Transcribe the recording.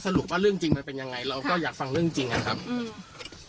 สรุปว่าเรื่องจริงมันเป็นยังไงเราก็อยากฟังเรื่องจริงนะครับอืม